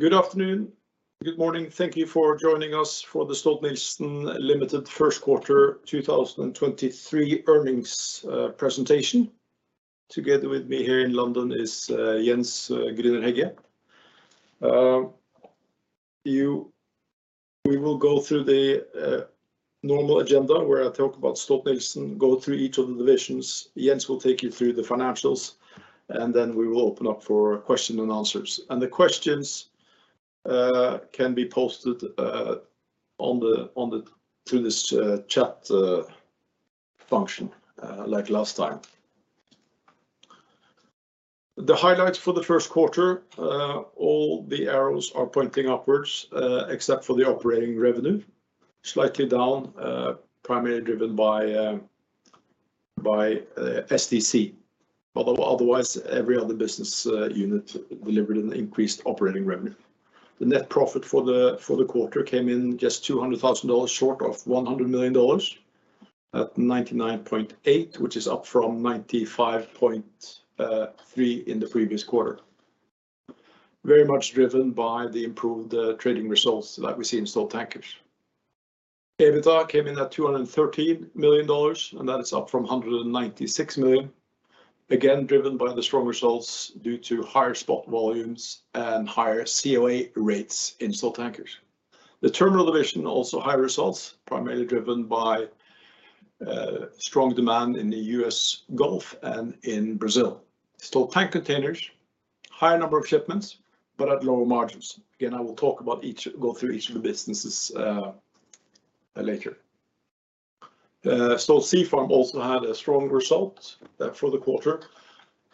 Good afternoon. Good morning. Thank you for joining us for the Stolt-Nielsen Limited First Quarter 2023 earnings presentation. Together with me here in London is Jens Gruner-Hegge. We will go through the normal agenda where I talk about Stolt-Nielsen, go through each of the divisions. Jens will take you through the financials. We will open up for question and answers. The questions can be posted on the, on the, through this chat function like last time. The highlights for the first quarter, all the arrows are pointing upwards, except for the operating revenue, slightly down, primarily driven by STC. Although otherwise, every other business unit delivered an increased operating revenue. The net profit for the quarter came in just $200,000 short of $100 million at $99.8 million, which is up from $95.3 million in the previous quarter. Very much driven by the improved trading results like we see in Stolt Tankers. EBITDA came in at $213 million, and that is up from $196 million. Again, driven by the strong results due to higher spot volumes and higher COA rates in Stolt Tankers. The terminal division also high results, primarily driven by strong demand in the U.S. Gulf and in Brazil. Stolt Tank Containers, higher number of shipments, but at lower margins. Again, I will talk about each, go through each of the businesses later. Stolt Sea Farm also had a strong result for the quarter.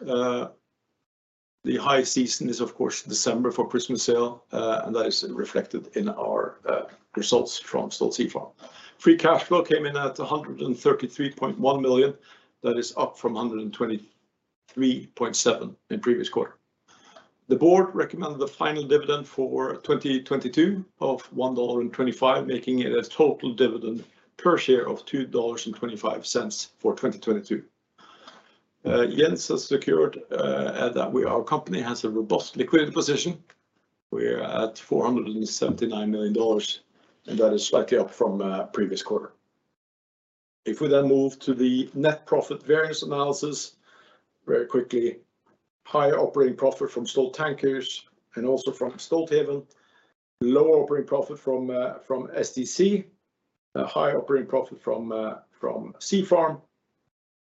The high season is of course December for Christmas sale, and that is reflected in our results from Stolt Sea Farm. Free Cash Flow came in at $133.1 million. That is up from $123.7 million in previous quarter. The board recommended the final dividend for 2022 of $1.25, making it a total dividend per share of $2.25 for 2022. Jens has secured that our company has a robust liquidity position. We're at $479 million, and that is slightly up from previous quarter. If we then move to the net profit variance analysis very quickly, higher operating profit from Stolt Tankers and also from Stolthaven. Lower operating profit from STC. A higher operating profit from Stolt Sea Farm.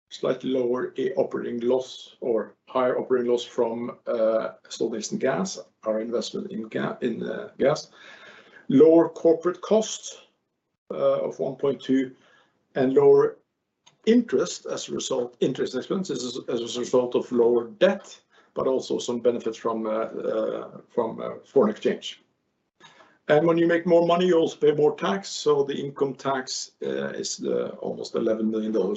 Slightly lower operating loss or higher operating loss from Stolt-Nielsen Gas, our investment in gas. Lower corporate costs of $1.2, and lower interest as a result, interest expenses as a result of lower debt, but also some benefits from foreign exchange. When you make more money, you also pay more tax. The income tax is almost $11 million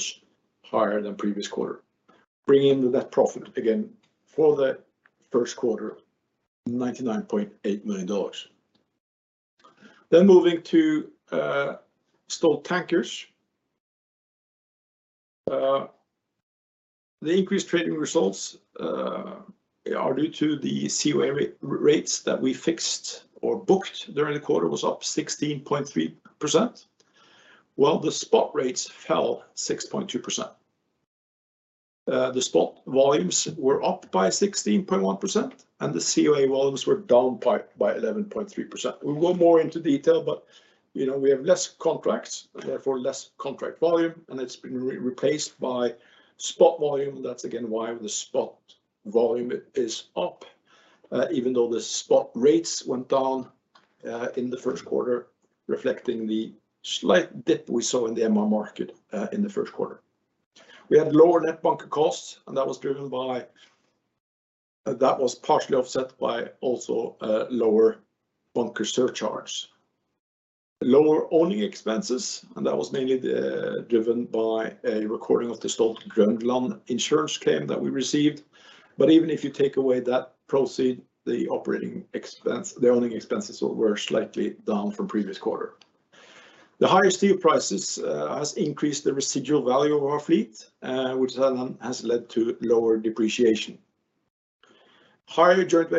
higher than previous quarter. Bringing the net profit again for the first quarter, $99.8 million. Moving to Stolt Tankers. The increased trading results are due to the COA rates that we fixed or booked during the quarter was up 16.3%, while the spot rates fell 6.2%. The spot volumes were up by 16.1%, and the COA volumes were down by 11.3%. We won't more into detail, but, you know, we have less contracts and therefore less contract volume, and it's been replaced by spot volume. That's again why the spot volume is up, even though the spot rates went down in the first quarter, reflecting the slight dip we saw in the MR market in the first quarter. We had lower net bunker costs, and that was partially offset by also lower bunker surcharges. Lower owning expenses, and that was mainly driven by a recording of the Stolt Groenland insurance claim that we received. But even if you take away that proceed, the operating expense, the owning expenses were slightly down from previous quarter. The higher steel prices has increased the residual value of our fleet, which then has led to lower depreciation. Higher joint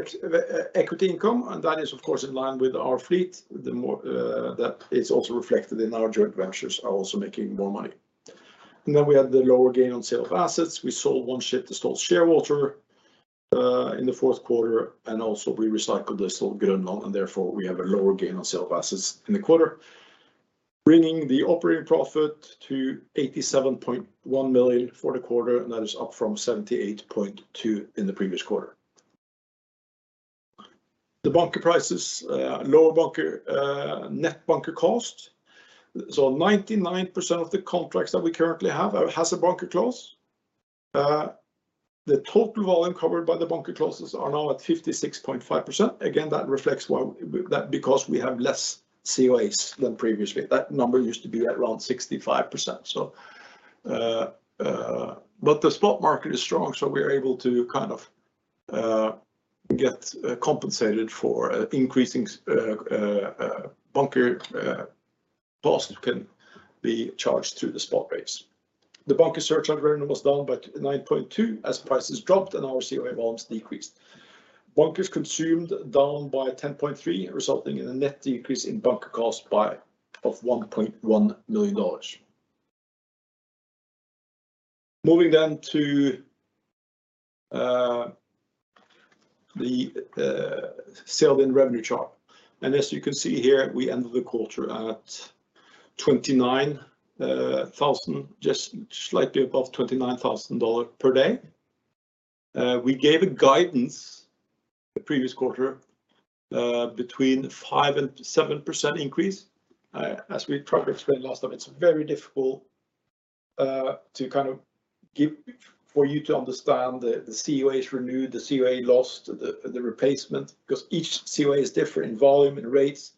equity income, that is of course in line with our fleet. That is also reflected in our joint ventures are also making more money. We have the lower gain on sale of assets. We sold one ship, the Stolt Shearwater, in the fourth quarter, and also we recycled the Stolt Groenland, and therefore we have a lower gain on sale of assets in the quarter. Bringing the operating profit to $87.1 million for the quarter, and that is up from $78.2 in the previous quarter. The bunker prices, lower bunker, net bunker cost. 99% of the contracts that we currently have has a bunker clause. The total volume covered by the bunker clauses are now at 56.5%. Again, that reflects why that because we have less COAs than previously. That number used to be at around 65%, so. The spot market is strong, we are able to get compensated for increasing bunker Cost can be charged through the spot rates. The bunker surcharge revenue was down by 9.2% as prices dropped and our COA volumes decreased. Bunkers consumed down by 10.3% resulting in a net decrease in bunker cost by $1.1 million. Moving then to the sailed-in revenue chart. As you can see here, we ended the quarter at just slightly above $29,000 per day. We gave a guidance the previous quarter, between 5% and 7% increase. As we tried to explain last time, it's very difficult to kind of give for you to understand the COAs renewed, the COA lost, the replacement, because each COA is different in volume and rates.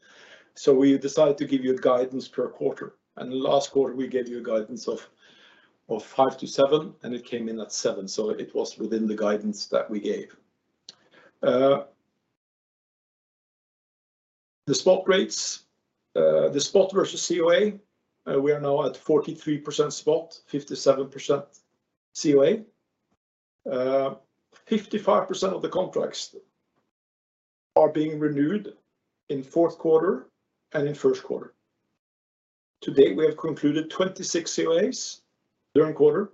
We decided to give you a guidance per quarter. Last quarter, we gave you a guidance of 5%-7%, and it came in at 7%. It was within the guidance that we gave. The spot rates, the spot versus COA, we are now at 43% spot, 57% COA. 55% of the contracts are being renewed in fourth quarter and in first quarter. To date, we have concluded 26 COAs during quarter.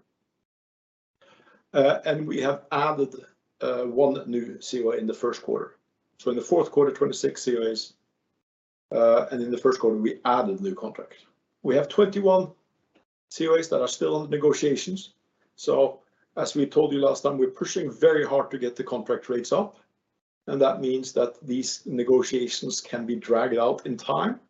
We have added one new COA in the first quarter. In the fourth quarter, 26 COAs, and in the first quarter, we added new contract. We have 21 COAs that are still in negotiations. As we told you last time, we're pushing very hard to get the contract rates up. That means that these negotiations can be dragged out in time.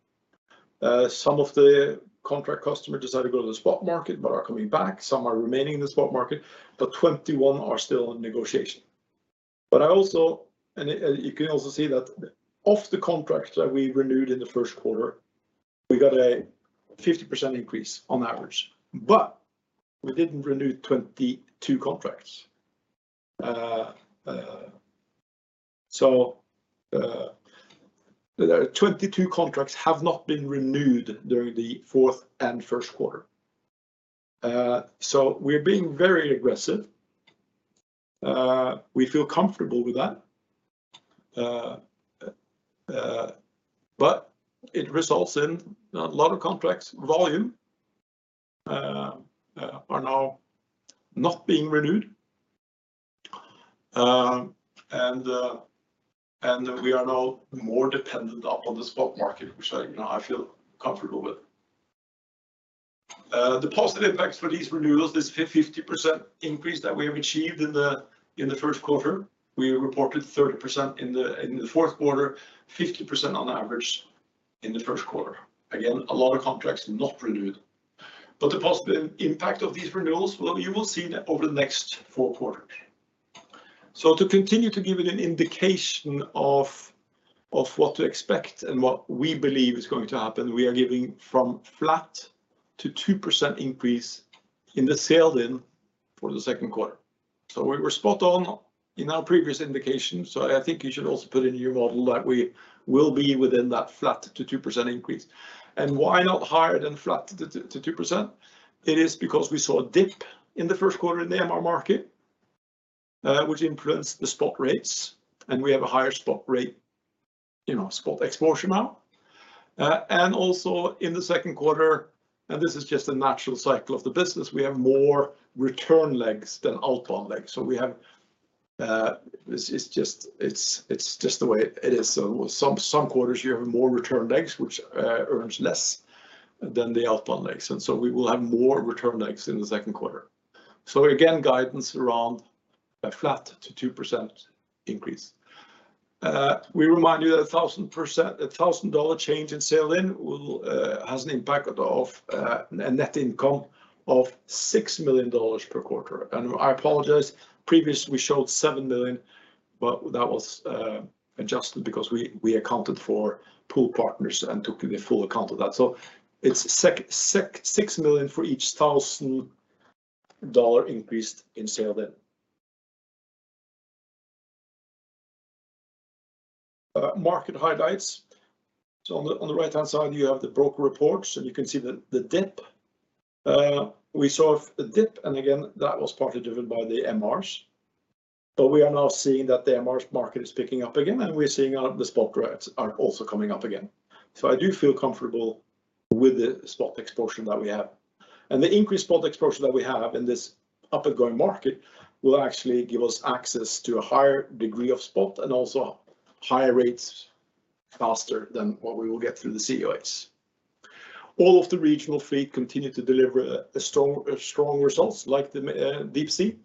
Some of the contract customers decided to go to the spot market but are coming back. Some are remaining in the spot market. 21 are still in negotiation. I also, and you can also see that of the contracts that we renewed in the first quarter, we got a 50% increase on average. We didn't renew 22 contracts. 22 contracts have not been renewed during the fourth and first quarter. We're being very aggressive. We feel comfortable with that. It results in a lot of contracts volume are now not being renewed. We are now more dependent upon the spot market, which I, you know, I feel comfortable with. The positive effects for these renewals, this 50% increase that we have achieved in the first quarter. We reported 30% in the fourth quarter, 50% on average in the first quarter. Again, a lot of contracts not renewed. The positive impact of these renewals, well, you will see over the next four quarters. To continue to give you an indication of what to expect and what we believe is going to happen, we are giving from flat to 2% increase in the sailed in for the second quarter. We were spot on in our previous indication. I think you should also put in your model that we will be within that flat to 2% increase. Why not higher than flat to 2%? It is because we saw a dip in the first quarter in the MR market, which influenced the spot rates. We have a higher spot rate, you know, spot exposure now. Also in the second quarter, and this is just a natural cycle of the business, we have more return legs than outbound legs. We have, this is just, it's just the way it is. Some quarters you have more return legs, which earns less than the outbound legs. We will have more return legs in the second quarter. Again, guidance around a flat to 2% increase. We remind you that 1,000%, a $1,000 change in sailed-in will has an impact of a net income of $6 million per quarter. I apologize. Previously, we showed $7 million, but that was adjusted because we accounted for pool partners and took the full account of that. It's $6 million for each $1,000 increase in sailed-in. Market highlights. On the right-hand side, you have the broker reports and you can see the dip. We saw a dip. Again, that was partly driven by the MRs. We are now seeing that the MRs market is picking up again and we're seeing the spot rates are also coming up again. I do feel comfortable with the spot exposure that we have. The increased spot exposure that we have in this upward going market will actually give us access to a higher degree of spot and also higher rates faster than what we will get through the COAs. All of the regional fleet continue to deliver strong results like the deep sea.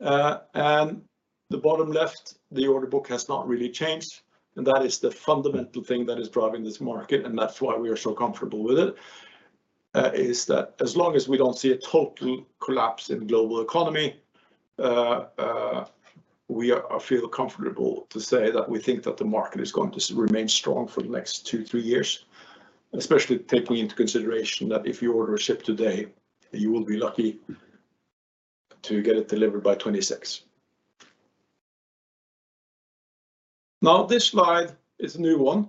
The bottom left, the order book has not really changed. That is the fundamental thing that is driving this market. That's why we are so comfortable with it, is that as long as we don't see a total collapse in global economy, we are, feel comfortable to say that we think that the market is going to remain strong for the next two, three years. Especially taking into consideration that if you order a ship today, you will be lucky to get it delivered by 26. Now this slide is a new one,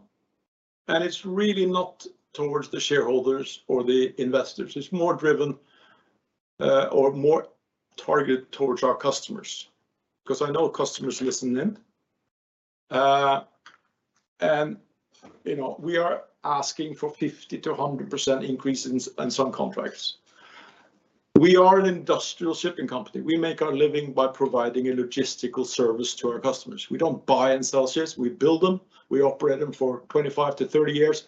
and it's really not towards the shareholders or the investors. It's more driven, or more targeted towards our customers, because I know customers listen in. You know, we are asking for 50%-100% increase in some contracts. We are an industrial shipping company. We make our living by providing a logistical service to our customers. We don't buy and sell ships, we build them, we operate them for 25-30 years,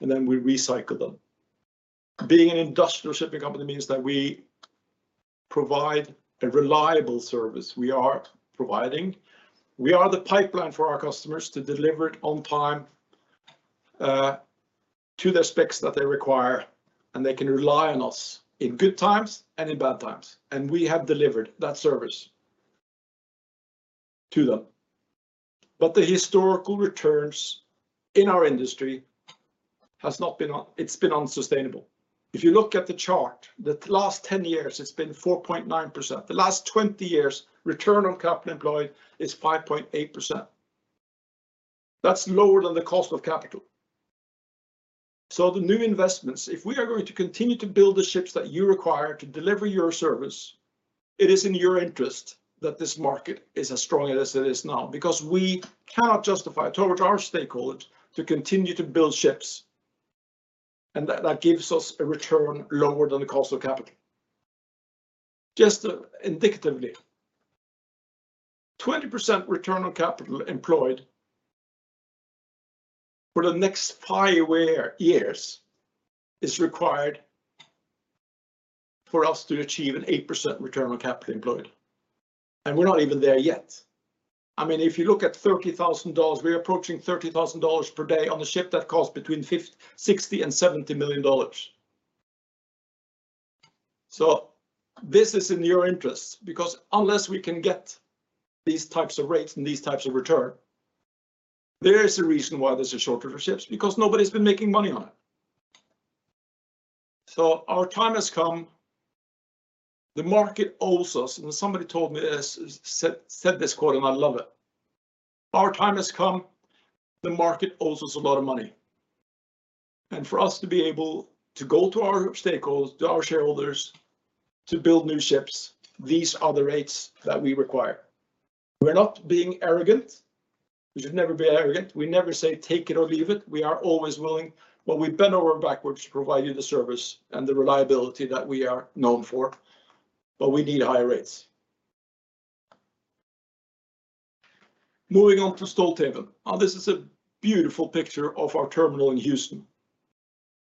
and then we recycle them. Being an industrial shipping company means that we provide a reliable service. We are providing... We are the pipeline for our customers to deliver it on time, to the specs that they require, and they can rely on us in good times and in bad times, and we have delivered that service to them. The historical returns in our industry has not been unsustainable. If you look at the chart, the last 10 years it's been 4.9%. The last 20 years return on capital employed is 5.8%. That's lower than the cost of capital. The new investments, if we are going to continue to build the ships that you require to deliver your service, it is in your interest that this market is as strong as it is now, because we cannot justify towards our stakeholders to continue to build ships and that gives us a return lower than the cost of capital. Just indicatively, 20% return on capital employed for the next five years is required for us to achieve an 8% return on capital employed, and we're not even there yet. I mean, if you look at $30,000, we're approaching $30,000 per day on a ship that costs between $60 million and $70 million. This is in your interest, because unless we can get these types of rates and these types of return, there is a reason why there's a shortage of ships, because nobody's been making money on it. Our time has come. The market owes us. Somebody told me this, said this quote, and I love it. "Our time has come. The market owes us a lot of money." For us to be able to go to our stakeholders, to our shareholders to build new ships, these are the rates that we require. We're not being arrogant. We should never be arrogant. We never say take it or leave it. We are always willing. We bend over backwards to provide you the service and the reliability that we are known for. We need higher rates. Moving on to Stolt Tankers. This is a beautiful picture of our terminal in Houston.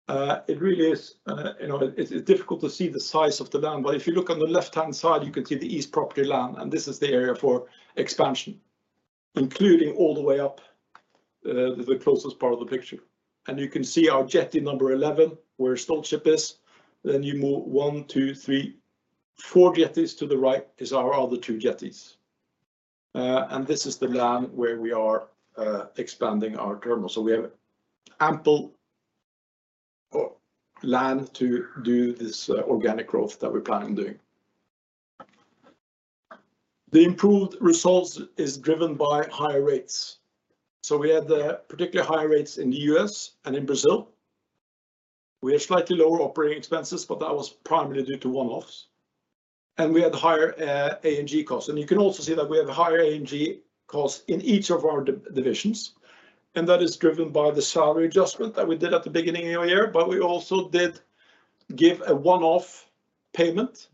It really is. You know, it's difficult to see the size of the land, but if you look on the left-hand side, you can see the east property land, this is the area for expansion, including all the way up, the closest part of the picture. You can see our jetty number 11 where Stolt Ship is. You move one, two, three, four jetties to the right is our other two jetties. This is the land where we are expanding our terminal. We have ample land to do this organic growth that we're planning on doing. The improved results is driven by higher rates. We had particularly high rates in the U.S. and in Brazil. We had slightly lower operating expenses, that was primarily due to one-offs. We had higher A&G costs. You can also see that we have higher A&G costs in each of our divisions, and that is driven by the salary adjustment that we did at the beginning of the year. We also did give a one-off payment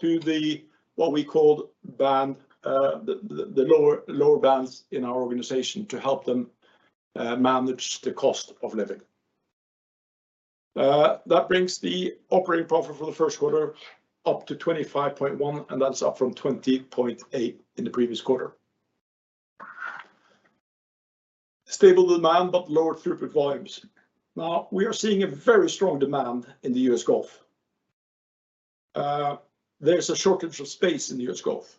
to the, what we call band, the lower bands in our organization to help them manage the cost of living. That brings the operating profit for the first quarter up to $25.1, and that's up from $20.8 in the previous quarter. Stable demand but lower throughput volumes. We are seeing a very strong demand in the U.S. Gulf. There's a shortage of space in the U.S. Gulf.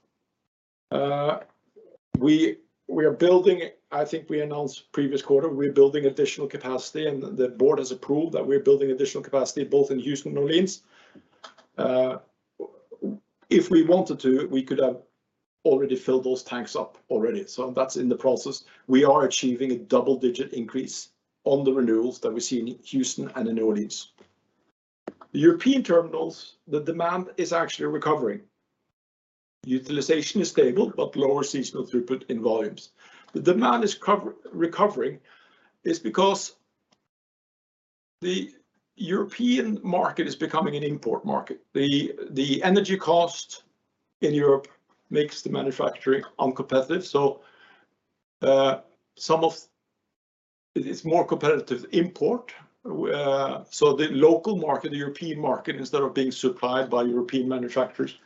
We are building, I think we announced previous quarter, we're building additional capacity and the board has approved that we're building additional capacity both in Houston and New Orleans. If we wanted to, we could have already filled those tanks up already. That's in the process. We are achieving a double-digit increase on the renewals that we see in Houston and in New Orleans. European terminals, the demand is actually recovering. Utilization is stable but lower seasonal throughput in volumes. The demand is recovering because the European market is becoming an import market. The energy cost in Europe makes the manufacturing uncompetitive. It's more competitive import. The local market, the European market, instead of being supplied by European manufacturers,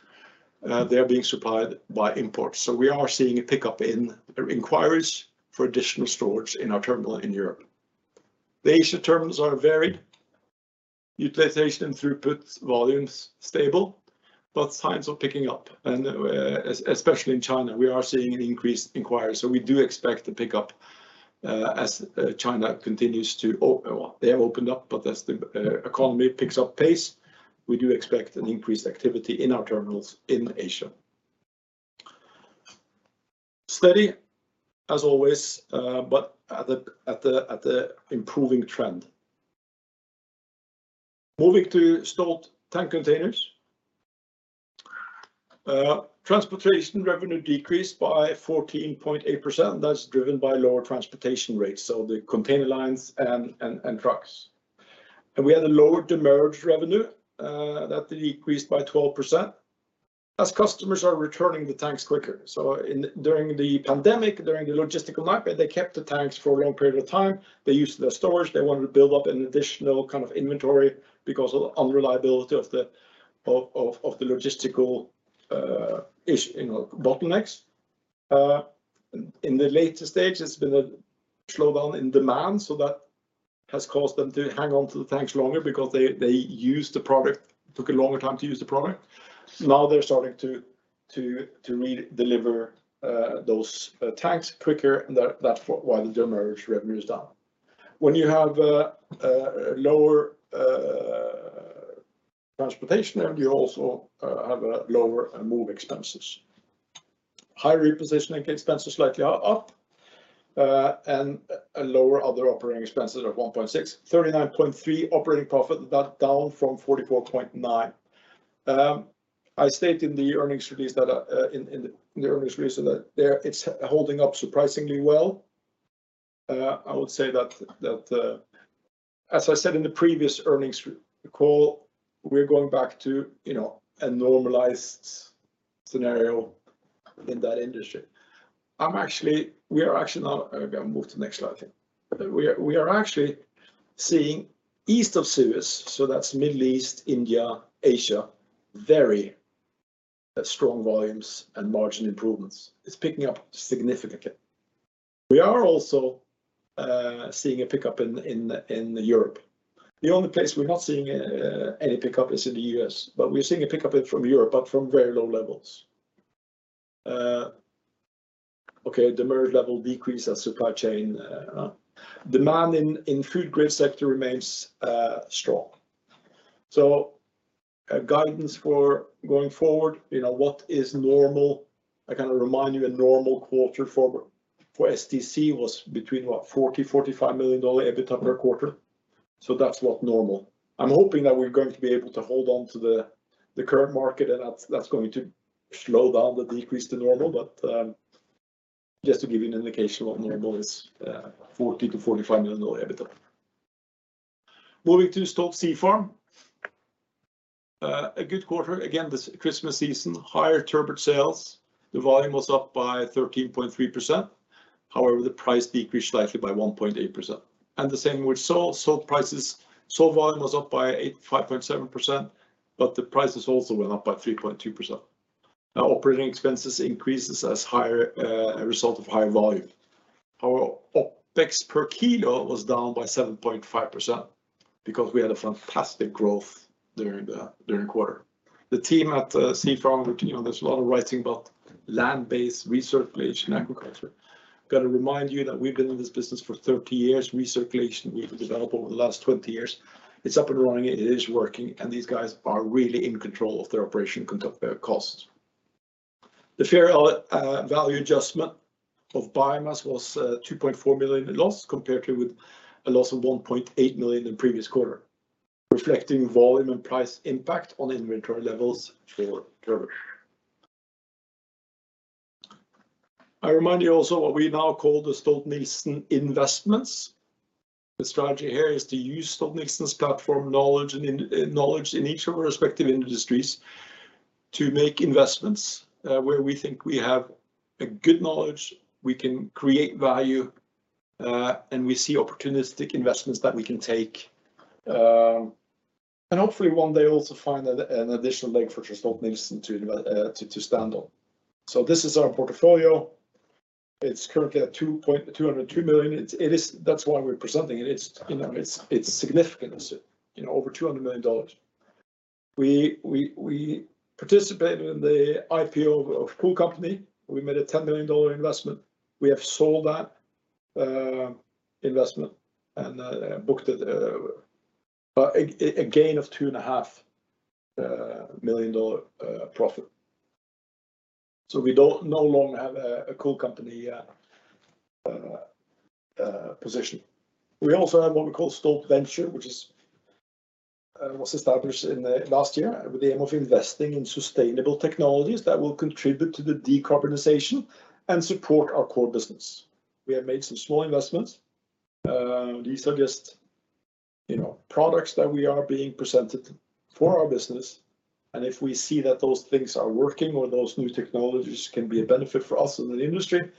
they are being supplied by imports. We are seeing a pickup in inquiries for additional storage in our terminal in Europe. The Asia terminals are varied. Utilization and throughput volumes stable, but signs are picking up and especially in China, we are seeing an increased inquiry. We do expect to pick up, as China continues to, well, they have opened up, but as the economy picks up pace, we do expect an increased activity in our terminals in Asia. Steady, as always, but at the improving trend. Moving to Stolt Tank Containers. Transportation revenue decreased by 14.8%. That's driven by lower transportation rates, so the container lines and trucks. We had a lower demurrage revenue that decreased by 12%, as customers are returning the tanks quicker. During the pandemic, during the logistical nightmare, they kept the tanks for a long period of time. They used the storage. They wanted to build up an additional kind of inventory because of the unreliability of the logistical, you know, bottlenecks. In the later stage, there's been a slowdown in demand, so that has caused them to hang on to the tanks longer because they used the product, took a longer time to use the product. Now they're starting to redeliver those tanks quicker. That's why the demurrage revenue is down. When you have a lower transportation, you also have a lower move expenses. High repositioning expenses slightly up, and a lower other operating expenses of $1.6. $39.3 operating profit, that down from $44.9. I state in the earnings release that it's holding up surprisingly well. I would say that, as I said in the previous earnings call, we're going back to, you know, a normalized scenario in that industry. We are actually now. Yeah, move to the next slide, I think. We are actually seeing East of Suez, so that's Middle East, India, Asia, very strong volumes and margin improvements. It's picking up significantly. We are also seeing a pickup in Europe. The only place we're not seeing any pickup is in the U.S., but we're seeing a pickup from Europe, but from very low levels. Okay, demurrage level decrease as supply chain demand in food grade sector remains strong. Guidance for going forward, you know, what is normal? I kind of remind you a normal quarter for STC was between $40 million-$45 million EBITDA per quarter. That's what normal. I'm hoping that we're going to be able to hold on to the current market, and that's going to slow down the decrease to normal. Just to give you an indication of what normal is, $40 million-$45 million EBITDA. Moving to Stolt Sea Farm. A good quarter. Again, this Christmas season, higher turbot sales. The volume was up by 13.3%. However, the price decreased slightly by 1.8%. The same with sole. Sole prices, sole volume was up by eight... 5.7%, but the prices also went up by 3.2%. Operating expenses increases as higher result of higher volume. Our OpEx per kilo was down by 7.5% because we had a fantastic growth during the quarter. The team at Stolt Sea Farm, you know, there's a lot of writing about land-based recirculation agriculture. Gotta remind you that we've been in this business for 30 years. Recirculation we've developed over the last 20 years. It's up and running, it is working, and these guys are really in control of their operation costs. The fair value adjustment of biomass was $2.4 million in loss, compared to with a loss of $1.8 million in previous quarter, reflecting volume and price impact on inventory levels for turbot. I remind you also what we now call the Stolt Investments. The strategy here is to use Stolt-Nielsen's platform knowledge in each of our respective industries to make investments where we think we have a good knowledge, we can create value, and we see opportunistic investments that we can take, and hopefully one day also find an additional leg for just Stolt-Nielsen to stand on. This is our portfolio. It's currently at $202 million. It is, that's why we're presenting it. It's, you know, it's significant. It's, you know, over $200 million. We participated in the IPO of Cool Company. We made a $10 million investment. We have sold that investment and booked it a gain of $2.5 million profit. We no longer have a Cool Company position. We also have what we call Stolt Ventures, which was established in the last year with the aim of investing in sustainable technologies that will contribute to the decarbonization and support our core business. We have made some small investments. These are just, you know, products that we are being presented for our business and if we see that those things are working or those new technologies can be a benefit for us in the industry,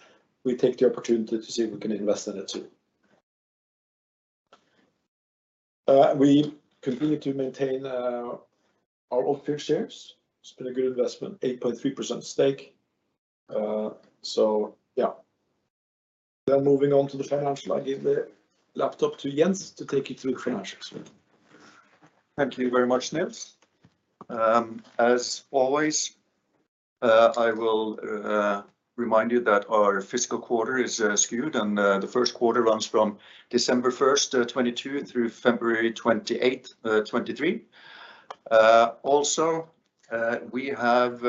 we take the opportunity to see if we can invest in it too. We continue to maintain our Odfjell shares. It's been a good investment, 8.3% stake. Moving on to the financial. I give the laptop to Jens to take you through the financials. Thank you very much, Niels. As always, I will remind you that our fiscal quarter is skewed, and the 1st quarter runs from December 1st, 2022 through February 28th, 2023. Also, we have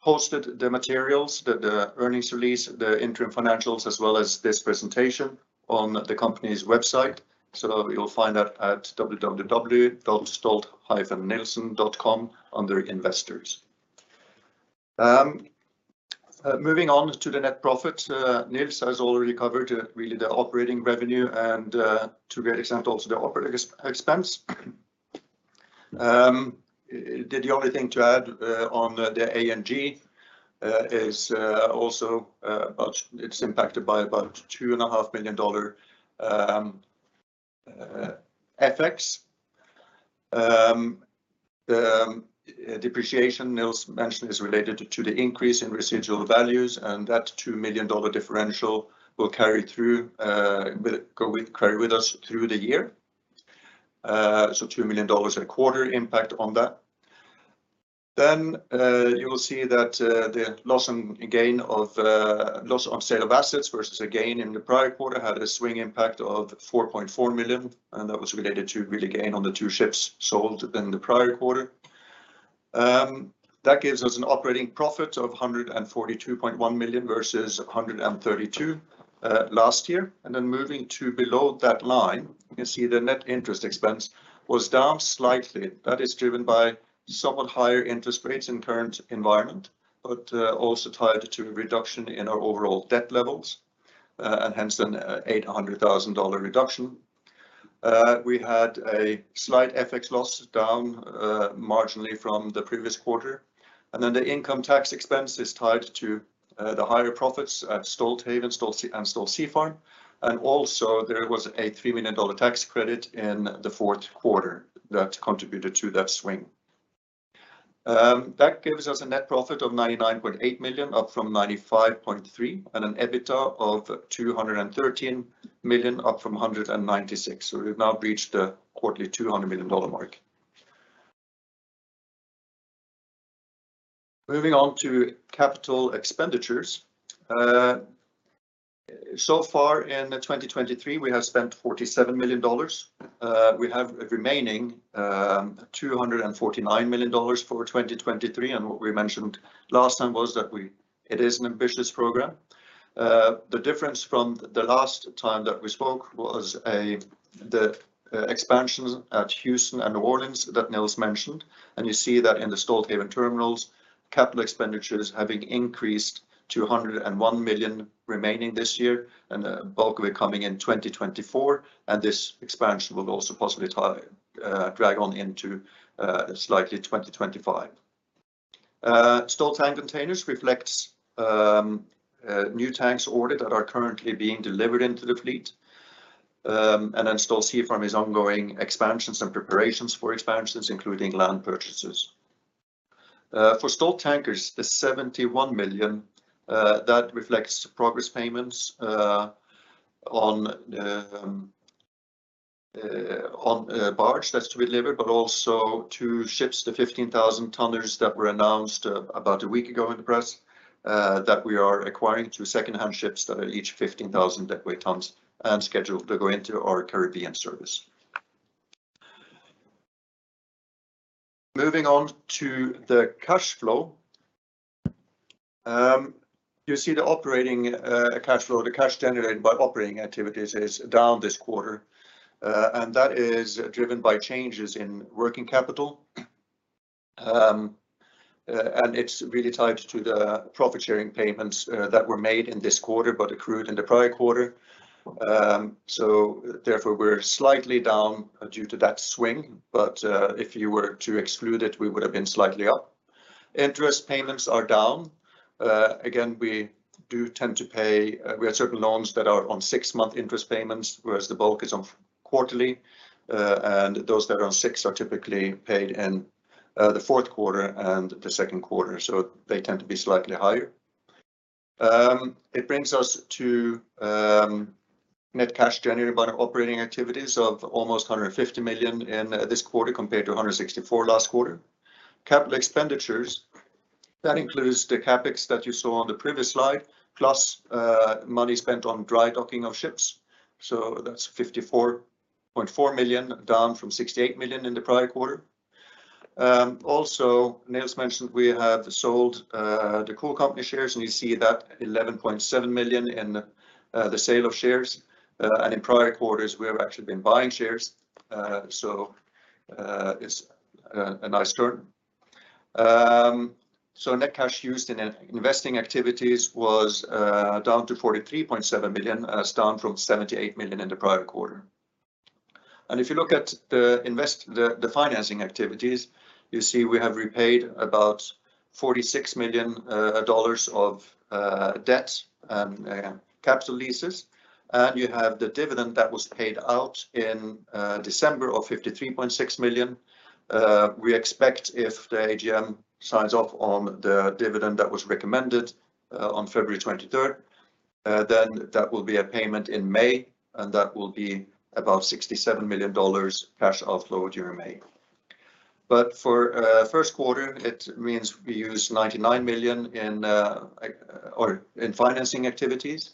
posted the materials, the earnings release, the interim financials, as well as this presentation on the company's website. You'll find that at www.stolt-nielsen.com under Investors. Moving on to the net profit. Niels has already covered really the operating revenue and to a great extent also the operating expense. The only thing to add on the A&G is also, it's impacted by about $2.5 million FX. The depreciation Niels mentioned is related to the increase in residual values, and that $2 million differential will carry with us through the year. $2 million a quarter impact on that. You will see that the loss and gain of loss on sale of assets versus a gain in the prior quarter had a swing impact of $4.4 million, and that was related to really gain on the two ships sold in the prior quarter. That gives us an operating profit of $142.1 million versus $132 million last year. Moving to below that line, you can see the net interest expense was down slightly. That is driven by somewhat higher interest rates in current environment, also tied to a reduction in our overall debt levels, and hence an $800,000 reduction. We had a slight FX loss down marginally from the previous quarter. The income tax expense is tied to the higher profits at Stolthaven and Stolt Sea Farm. Also there was a $3 million tax credit in the fourth quarter that contributed to that swing. That gives us a net profit of $99.8 million, up from $95.3 million, and an EBITDA of $213 million, up from $196 million. We've now breached the quarterly $200 million mark. Moving on to capital expenditures. So far in 2023, we have spent $47 million. We have a remaining $249 million for 2023. What we mentioned last time was that it is an ambitious program. The difference from the last time that we spoke was the expansions at Houston and New Orleans that Niels mentioned. You see that in the Stolthaven Terminals, capital expenditures having increased to $101 million remaining this year, and a bulk of it coming in 2024, and this expansion will also possibly drag on into slightly 2025. Stolt Tank Containers reflects new tanks ordered that are currently being delivered into the fleet. Stolt Sea Farm is ongoing expansions and preparations for expansions, including land purchases. For Stolt Tankers, the $71 million that reflects progress payments on a barge that's to be delivered, but also two ships, the 15,000 tonners that were announced about a week ago in the press, that we are acquiring, two second-hand ships that are each 15,000 deadweight tons and scheduled to go into our Caribbean service. Moving on to the cash flow. You see the operating cash flow, the cash generated by operating activities is down this quarter. That is driven by changes in working capital. It's really tied to the profit sharing payments that were made in this quarter, but accrued in the prior quarter. Therefore, we're slightly down due to that swing. If you were to exclude it, we would have been slightly up. Interest payments are down. Again, we do tend to pay, we have certain loans that are on six-month interest payments, whereas the bulk is on quarterly. Those that are on six are typically paid in the fourth quarter and the second quarter. They tend to be slightly higher. It brings us to net cash generated by the operating activities of almost $150 million in this quarter compared to $164 last quarter. Capital expenditures, that includes the CapEx that you saw on the previous slide, plus money spent on dry docking of ships. That's $54.4 million, down from $68 million in the prior quarter. Also, Niels mentioned we have sold The Cool Company shares, and you see that $11.7 million in the sale of shares. In prior quarters, we have actually been buying shares. It's a nice turn. Net cash used in investing activities was down to $43.7 million, it's down from $78 million in the prior quarter. If you look at the financing activities, you see we have repaid about $46 million of debt and capital leases. You have the dividend that was paid out in December of $53.6 million. We expect if the AGM signs off on the dividend that was recommended on February 23rd, that will be a payment in May, and that will be about $67 million cash outflow during May. For first quarter, it means we use $99 million in financing activities.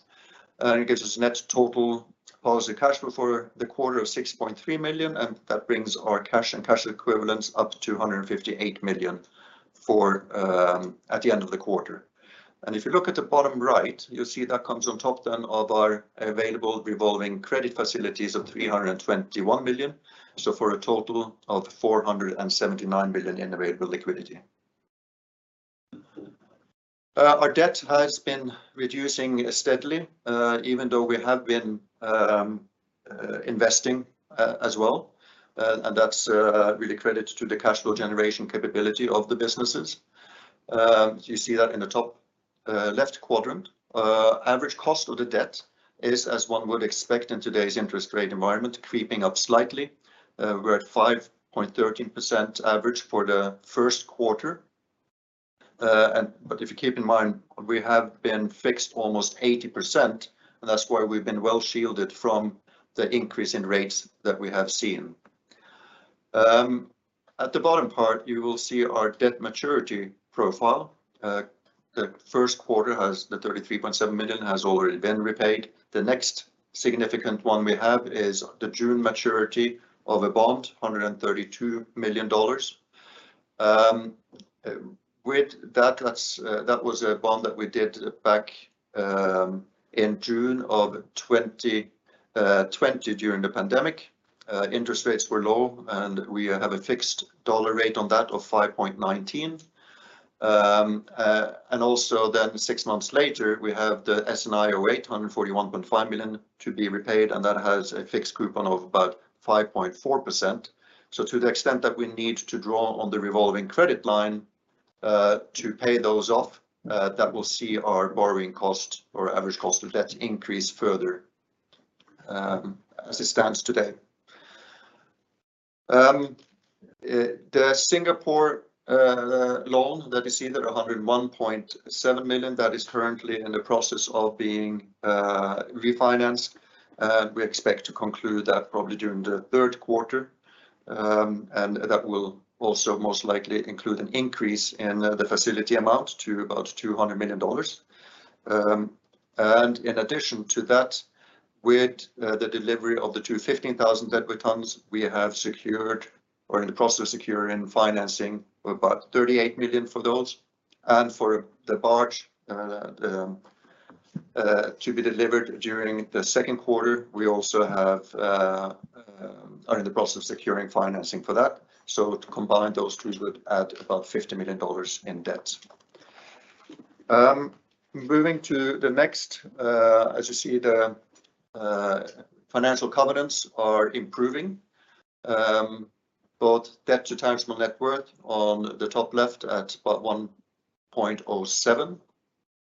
It gives us net total positive cash flow for the quarter of $6.3 million, and that brings our cash and cash equivalents up to $158 million for at the end of the quarter. If you look at the bottom right, you'll see that comes on top then of our available revolving credit facilities of $321 million, so for a total of $479 million in available liquidity. Our debt has been reducing steadily, even though we have been investing as well. That's really credit to the cash flow generation capability of the businesses. You see that in the top left quadrant. Average cost of the debt is, as one would expect in today's interest rate environment, creeping up slightly. We're at 5.13% average for the first quarter. If you keep in mind, we have been fixed almost 80%, and that's why we've been well-shielded from the increase in rates that we have seen. At the bottom part, you will see our debt maturity profile. The first quarter has the $33.7 million has already been repaid. The next significant one we have is the June maturity of a bond, $132 million. With that's that was a bond that we did back in June of 2020 during the pandemic. Interest rates were low, we have a fixed dollar rate on that of 5.19%. Six months later, we have the SNI08, $841.5 million to be repaid, and that has a fixed coupon of about 5.4%. To the extent that we need to draw on the revolving credit line, to pay those off, that will see our borrowing cost or average cost of debt increase further, as it stands today. The Singapore loan that you see there, $101.7 million, that is currently in the process of being refinanced. We expect to conclude that probably during the third quarter. That will also most likely include an increase in the facility amount to about $200 million. In addition to that, with the delivery of the two 15,000 deadweight tons, we have secured or in the process of securing financing about $38 million for those. For the barge to be delivered during the second quarter, we also have are in the process of securing financing for that. To combine those two would add about $50 million in debt. Moving to the next, as you see the financial covenants are improving. Both Debt to times net worth on the top left at about 1.07.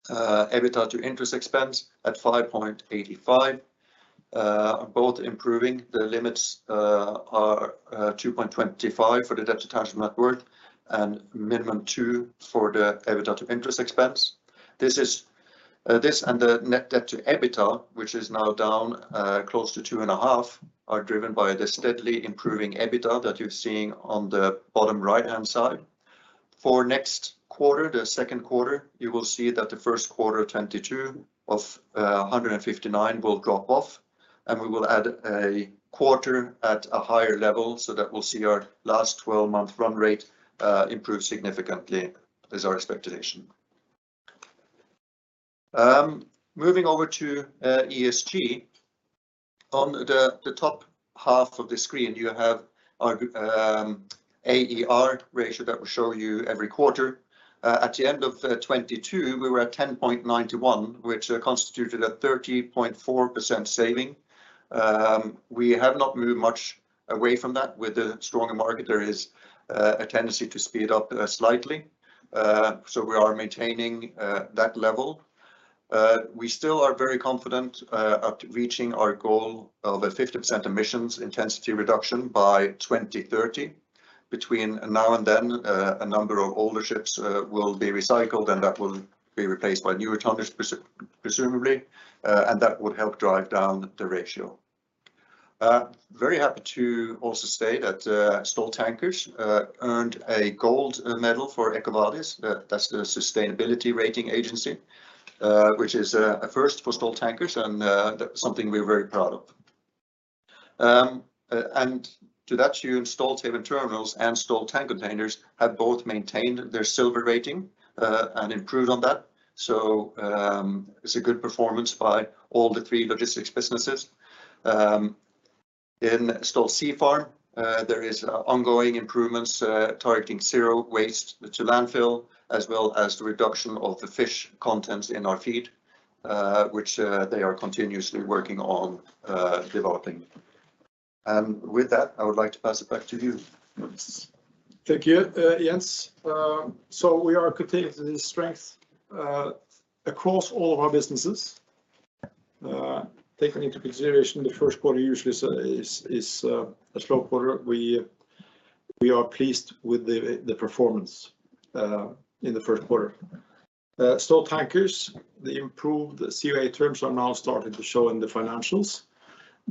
EBITDA to interest expense at 5.85. Both improving the limits are 2.25 for the Debt to times net worth and minimum two for the EBITDA to interest expense. This is, this and the net debt to EBITDA, which is now down close to 2.5, are driven by the steadily improving EBITDA that you're seeing on the bottom right-hand side. Next quarter, the second quarter, you will see that the first quarter 2022 of 159 will drop off, and we will add a quarter at a higher level, that will see our last 12-month run rate improve significantly is our expectation. Moving over to ESG. On the top half of the screen you have our AER ratio that we show you every quarter. At the end of 2022, we were at 10.91, which constituted a 30.4% saving. We have not moved much away from that. With a stronger market, there is a tendency to speed up slightly. We are maintaining that level. We still are very confident of reaching our goal of a 50% emissions intensity reduction by 2030. Between now and then, a number of older ships will be recycled, and that will be replaced by newer tonnages presumably, and that would help drive down the ratio. Very happy to also state that Stolt Tankers earned a gold medal for EcoVadis. That's the Sustainability Rating Agency, which is a first for Stolt Tankers and that's something we're very proud of. To that view Stolthaven Terminals and Stolt Tank Containers have both maintained their silver rating and improved on that. It's a good performance by all the three logistics businesses. In Stolt Sea Farm, there is ongoing improvements, targeting zero waste to landfill, as well as the reduction of the fish contents in our feed, which they are continuously working on developing. With that, I would like to pass it back to you, Niels. Thank you, Jens. We are continuing the strength across all of our businesses. Taking into consideration the first quarter usually is a slow quarter. We are pleased with the performance in the first quarter. Stolt Tankers, the improved COA terms are now starting to show in the financials.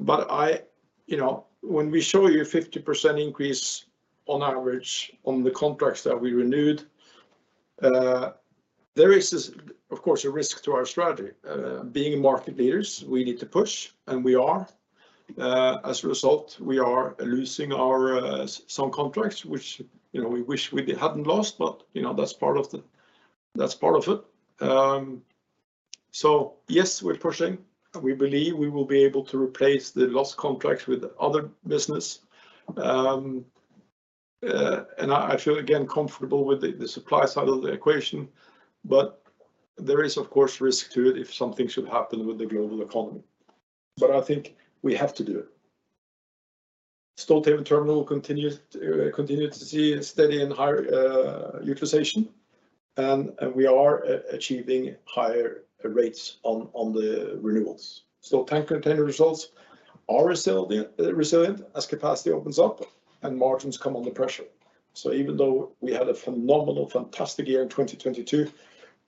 I, you know, when we show you 50% increase on average on the contracts that we renewed, there is, of course, a risk to our strategy. Being market leaders, we need to push, and we are. As a result, we are losing our some contracts, which, you know, we wish we hadn't lost, but, you know, that's part of it. Yes, we're pushing. We believe we will be able to replace the lost contracts with other business. I feel again comfortable with the supply side of the equation, but there is of course risk to it if something should happen with the global economy. I think we have to do it. Stolthaven Terminals continues to see a steady and higher utilization, and we are achieving higher rates on the renewals. Tank container results are resilient as capacity opens up and margins come under pressure. Even though we had a phenomenal, fantastic year in 2022,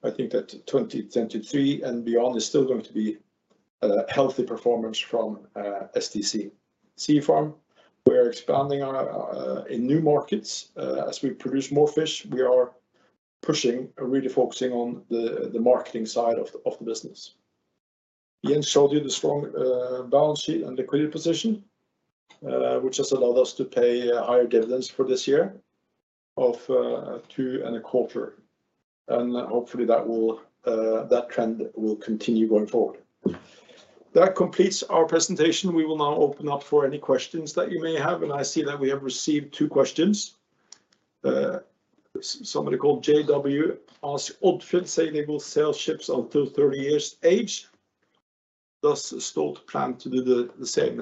I think that 2023 and beyond is still going to be a healthy performance from STC. Stolt Sea Farm, we're expanding our in new markets. As we produce more fish, we are pushing and really focusing on the marketing side of the business. Jens showed you the strong balance sheet and liquidity position, which has allowed us to pay a higher dividends for this year of two and a quarter. Hopefully that will that trend will continue going forward. That completes our presentation. We will now open up for any questions that you may have. I see that we have received two questions. Somebody called J.W. asks, "Odfjell says they will sail ships up to 30 years age. Does Stolt plan to do the same?"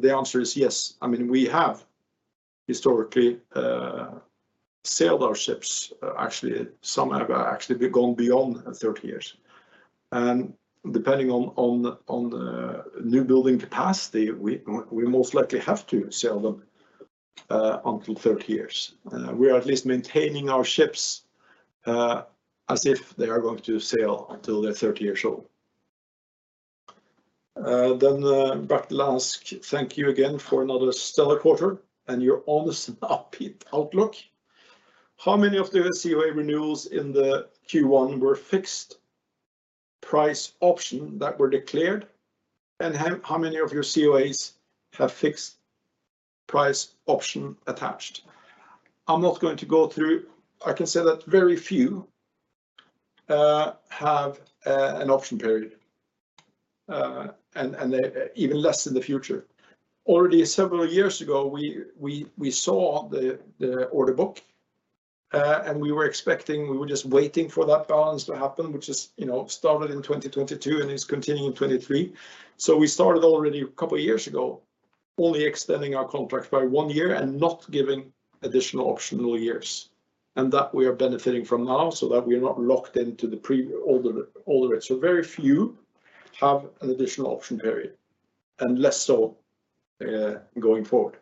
The answer is yes. I mean, we have historically sailed our ships. Actually, some have actually gone beyond 30 years. Depending on the new building capacity, we most likely have to sail them until 30 years. We are at least maintaining our ships, as if they are going to sail until they're 30 years old. Bart ask, "Thank you again for another stellar quarter and your honest and upbeat outlook. How many of the COA renewals in the Q1 were fixed price option that were declared, and how many of your COAs have fixed price option attached?" I'm not going to go through. I can say that very few have an option period, and even less in the future. Already several years ago, we saw the order book, and we were expecting, we were just waiting for that balance to happen, which is, you know, started in 2022 and is continuing in 2023. We started already a couple of years ago only extending our contracts by one year and not giving additional optional years. That we are benefiting from now so that we are not locked into the older rates. Very few have an additional option period, and less so, going forward.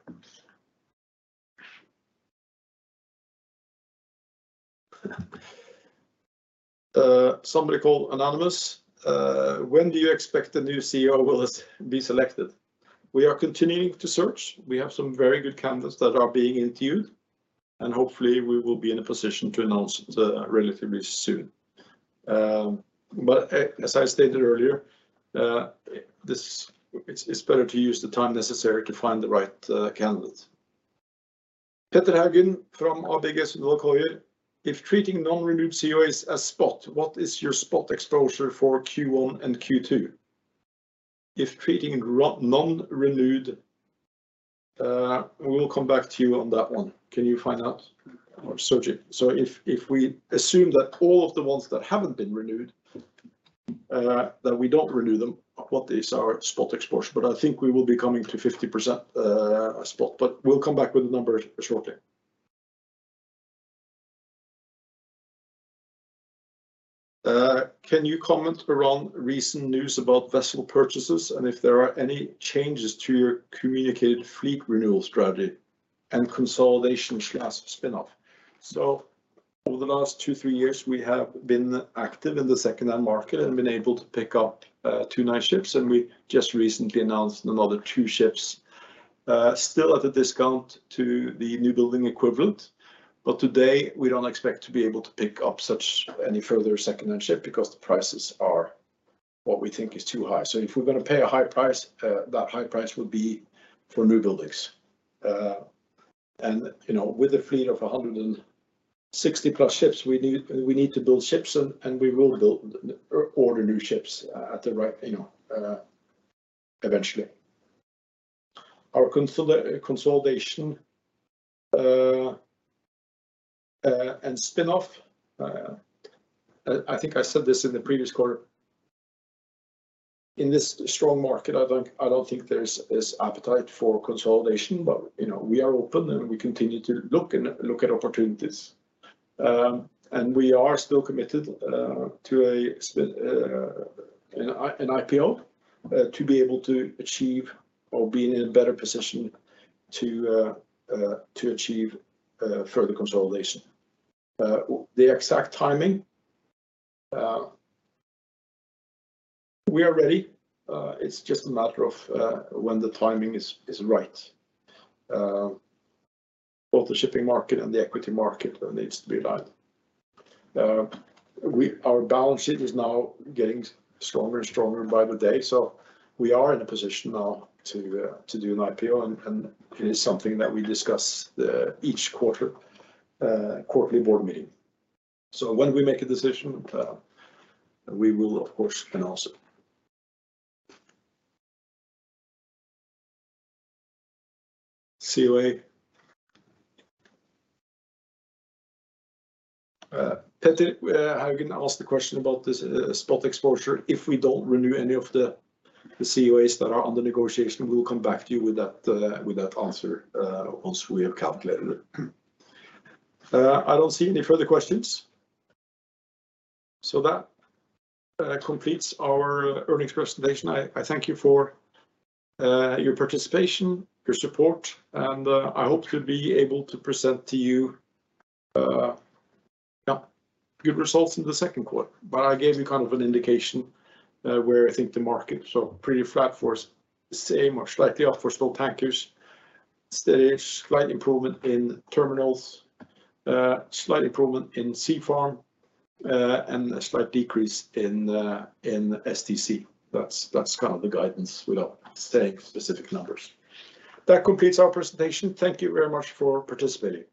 Somebody called Anonymous, "When do you expect the new CEO will be selected?" We are continuing to search. We have some very good candidates that are being interviewed, and hopefully we will be in a position to announce it, relatively soon. As I stated earlier, this, it's better to use the time necessary to find the right candidate. Petter Haugen from ABG Sundal Collier, "If treating non-renewed COAs as spot, what is your spot exposure for Q1 and Q2? If treating non-renewed, we will come back to you on that one. Can you find out or Sindre? If we assume that all of the ones that haven't been renewed, that we don't renew them, what is our spot exposure? I think we will be coming to 50% spot, but we'll come back with the numbers shortly. Can you comment around recent news about vessel purchases and if there are any changes to your communicated fleet renewal strategy and consolidation/spin-off? Over the last two, three years, we have been active in the second-hand market and been able to pick up two nice ships, and we just recently announced another two ships, still at a discount to the new building equivalent. Today, we don't expect to be able to pick up such any further second-hand ship because the prices are what we think is too high. If we're going to pay a high price, that high price would be for new buildings. You know, with a fleet of 160+ ships, we need to build ships and we will build or order new ships at the right, you know, eventually. Our consolidation, and spin-off, I think I said this in the previous quarter, in this strong market, I don't think there's this appetite for consolidation, but, you know, we are open, and we continue to look and look at opportunities. We are still committed to an IPO to be able to achieve or be in a better position to achieve further consolidation. The exact timing. We are ready. It's just a matter of when the timing is right. Both the shipping market and the equity market needs to be right. Our balance sheet is now getting stronger and stronger by the day. We are in a position now to do an IPO, and it is something that we discuss each quarter, quarterly board meeting. When we make a decision, we will of course announce it. COA. Petter Haugen asked the question about this spot exposure. If we don't renew any of the COAs that are under negotiation, we will come back to you with that answer once we have calculated it. I don't see any further questions. That completes our earnings presentation. I thank you for your participation, your support and I hope to be able to present to you good results in the second quarter. I gave you kind of an indication, where I think the market, so pretty flat for same or slightly off for small tankers. Steady, slight improvement in terminals. Slight improvement in Seafarm. A slight decrease in STC. That's kind of the guidance without saying specific numbers. That completes our presentation. Thank you very much for participating.